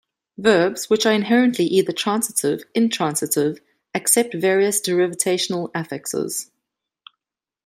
Verbs, which are inherently either transitive or intransitive, accept various derivational affixes.